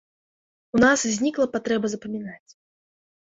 У нас знікла патрэба запамінаць.